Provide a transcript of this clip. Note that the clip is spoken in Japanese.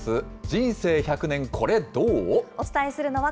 人生１００年コレ、どーう？